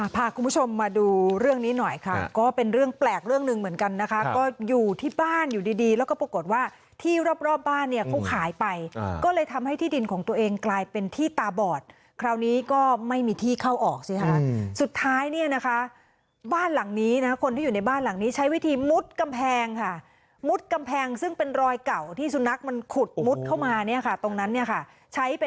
พาคุณผู้ชมมาดูเรื่องนี้หน่อยค่ะก็เป็นเรื่องแปลกเรื่องหนึ่งเหมือนกันนะคะก็อยู่ที่บ้านอยู่ดีแล้วก็ปรากฏว่าที่รอบบ้านเนี่ยคู่ขายไปก็เลยทำให้ที่ดินของตัวเองกลายเป็นที่ตาบอดคราวนี้ก็ไม่มีที่เข้าออกสิค่ะสุดท้ายเนี่ยนะคะบ้านหลังนี้นะคนที่อยู่ในบ้านหลังนี้ใช้วิธีมุดกำแพงค่ะมุดกำแพงซึ่งเป็นรอยเก่